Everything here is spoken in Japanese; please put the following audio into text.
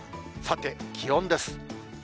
さて、気温です。